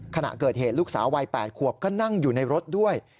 ขณะเกิดเหตุลูกสาววัย๘ขวบก็นั่งอยู่ในรถด้วย